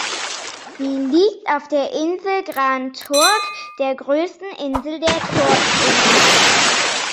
Sie liegt auf der Insel Grand Turk, der größten Insel der Turks-Inseln.